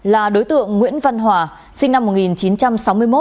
là đối tượng nguyễn văn hòa sinh năm một nghìn chín trăm sáu mươi một